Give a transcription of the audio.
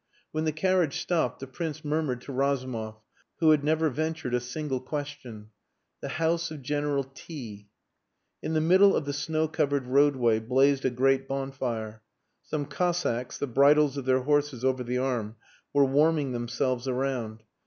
When the carriage stopped the Prince murmured to Razumov, who had never ventured a single question "The house of General T ." In the middle of the snow covered roadway blazed a great bonfire. Some Cossacks, the bridles of their horses over the arm, were warming themselves around.